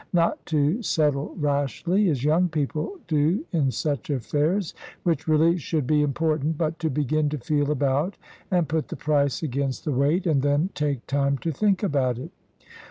Not to settle rashly, as young people do in such affairs (which really should be important), but to begin to feel about, and put the price against the weight, and then take time to think about it.